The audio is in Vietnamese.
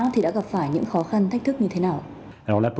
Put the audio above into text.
thì đã gặp phải những khó khăn thách thức như thế nào